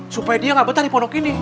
supaya dia gak betah di ponok ini